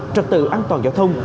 trật tự an toàn giao thông